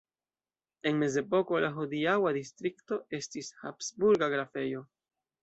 En mezepoko la hodiaŭa distrikto estis habsburga grafejo.